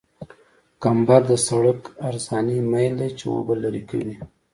کمبر د سرک عرضاني میل دی چې اوبه لرې کوي